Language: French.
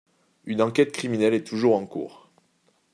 Une enquête criminelle est toujours en cours.